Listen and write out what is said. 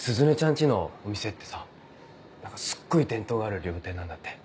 家のお店ってさすっごい伝統がある料亭なんだって？